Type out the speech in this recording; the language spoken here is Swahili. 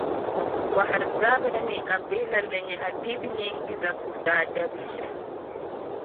wahadzabe ni kabila lenye hadithi nyingi za kustaajabisha